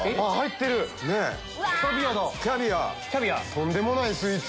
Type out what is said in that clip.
とんでもないスイーツ。